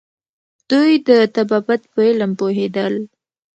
دوی د طبابت په علم پوهیدل